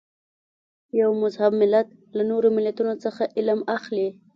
یو مهذب ملت له نورو ملتونو څخه علم اخلي.